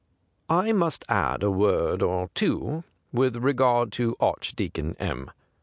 I must add a word or two with regard to Archdeacon M